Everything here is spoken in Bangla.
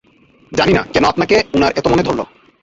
জানি না, কেন আপনাকে উনার এত মনে ধরলো।